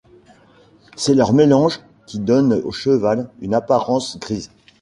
C'est leur mélange qui donne au cheval une apparence grise.